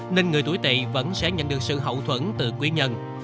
nên người tuổi tị vẫn sẽ nhận được sự hậu thuẫn từ quý nhân